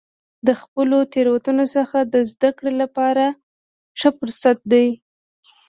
د خپلو تیروتنو څخه د زده کړې لپاره ښه فرصت دی.